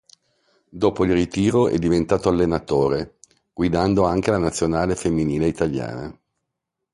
Dopo il ritiro è diventato allenatore, guidando anche la nazionale femminile italiana.